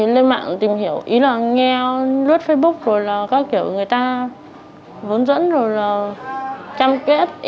lên mạng tìm hiểu nghe lướt facebook người ta vốn dẫn chăm kết